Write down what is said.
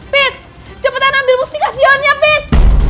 pip cepetan ambil mustikasionnya pip